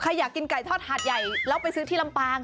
อยากกินไก่ทอดหาดใหญ่แล้วไปซื้อที่ลำปาง